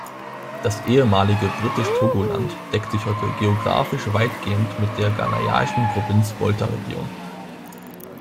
Das ehemalige Britisch-Togoland deckt sich heute geographisch weitgehend mit der ghanaischen Provinz Volta Region.